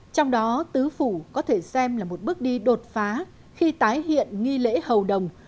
trong đó tứ phủ có thể xem là một bước đi đột phá khi tái hiện nghi lễ hầu đồng